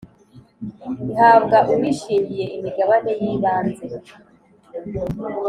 Ihabwa uwishingiye imigabane y’ ibanze.